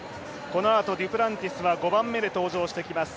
このあとデュプランティスは５番目で登場してきます。